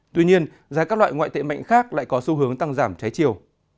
tuy nhiên giá các loại ngoại tệ mạnh khác lại có xu hướng tăng giảm trái chiều